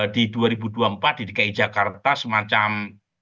di dua ribu dua puluh empat di dki jakarta semacam